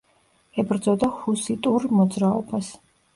ებრძოდა ჰუსიტურ მოძრაობას.